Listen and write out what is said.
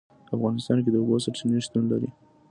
په افغانستان کې د اوبو سرچینې شتون لري.